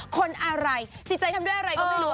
คนอะไรจิตใจทำด้วยอะไรก็ไม่รู้